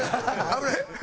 危ない！